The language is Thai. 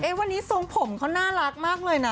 วันนี้ทรงผมเขาน่ารักมากเลยนะ